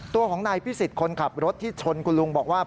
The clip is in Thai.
ตัวของนายพิสิทธิ์คนขับรถที่ชนคุณลุงบอกว่า